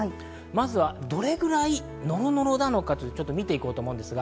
まずはどれくらいノロノロなのかということを見ていきます。